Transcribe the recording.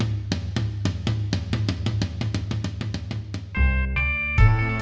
สหลักลินวันนี้ต้องกินน้ำสัตส่าห์